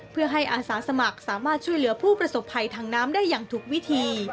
เพื่อให้อาสาสมัครสามารถช่วยเหลือผู้ประสบภัยทางน้ำได้อย่างถูกวิธี